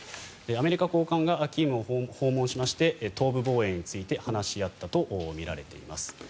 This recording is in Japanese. アメリカ高官がキーウを訪問しまして東部防衛について話し合ったとみられています。